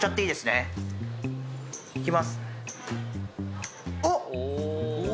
いきます。